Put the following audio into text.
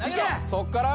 そっから？